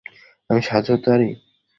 আমি সাহায্য করতে পারি?